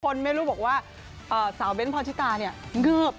คนไม่รู้บอกว่าเอ่อสาวเบ้นพอนทิตาเนี่ยเงือบ